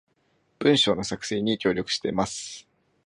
文章の作成に協力しています